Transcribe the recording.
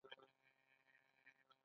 آیا دوی خپله بودیجه نلري؟